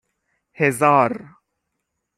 هزار